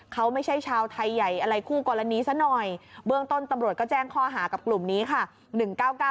เขาไม่ใช่ชาวไทยใหญ่อะไรคู่กรณีซะหน่อยเบื้องต้นตำรวจก็แจ้งข้อหากับกลุ่มนี้ค่ะ